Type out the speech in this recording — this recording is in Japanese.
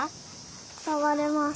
さわれます。